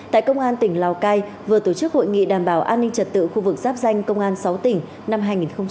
tại công an tỉnh lào cai vừa tổ chức hội nghị đảm bảo an ninh trật tự khu vực giáp danh công an sáu tỉnh năm hai nghìn hai mươi ba